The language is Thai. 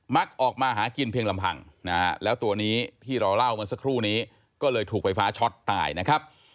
ออกมาหากินเพียงลำพังนะฮะแล้วตัวนี้ที่เราเล่าเมื่อสักครู่นี้ก็เลยถูกไฟฟ้าช็อตตายนะครับ